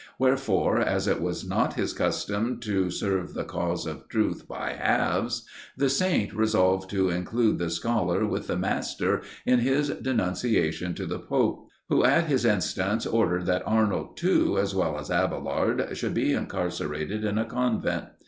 Wherefore, as it was not his custom to serve the cause of truth by halves, the saint resolved to include the scholar with the master in his denunciations to the pope; who, at his instance, ordered that Arnold too, as well as Abailard, should be incarcerated in a convent.